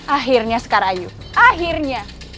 akhirnya sekar ayu akhirnya